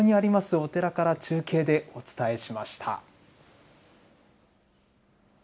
お寺から中継でお伝えしました。